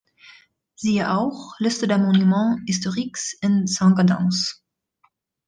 Siehe auch: Liste der Monuments historiques in Saint-Gaudens